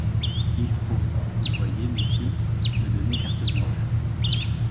Il faut, vous le voyez, messieurs, me donner carte blanche.